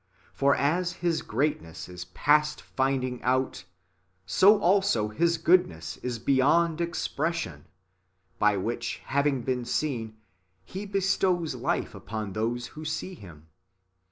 ^ For as His greatness is past finding out, so also His goodness is beyond expression ; by which having been seen. He bestows life upon those who see Him.